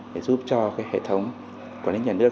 để giúp cho hệ thống quản lý nhà nước